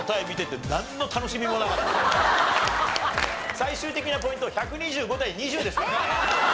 最終的なポイント１２５対２０ですからね。